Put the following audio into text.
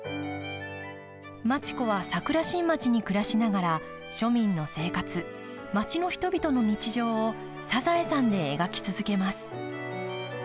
町子は桜新町に暮らしながら庶民の生活、町の人々の日常を「サザエさん」で描き続けます。